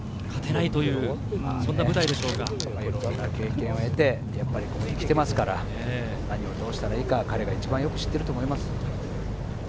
いろいろな経験を経て、ここに来ていますから、何をしたらいいか、彼が一番よく知っていると思います。